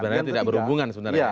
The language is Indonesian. sebenarnya tidak berhubungan sebenarnya